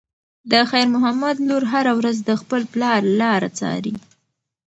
د خیر محمد لور هره ورځ د خپل پلار لاره څاري.